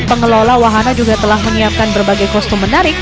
pengelola wahana juga telah menyiapkan berbagai kostum menarik